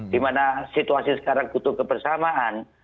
di mana situasi sekarang butuh kebersamaan